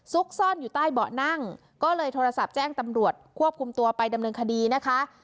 ซ่อนอยู่ใต้เบาะนั่งก็เลยโทรศัพท์แจ้งตำรวจควบคุมตัวไปดำเนินคดีนะคะ